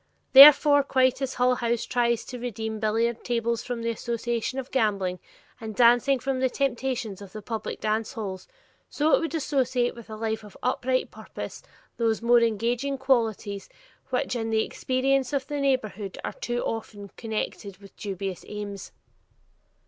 Therefore quite as Hull House tries to redeem billiard tables from the association of gambling, and dancing from the temptations of the public dance halls, so it would associate with a life of upright purpose those more engaging qualities which in the experience of the neighborhood are too often connected with dubious aims.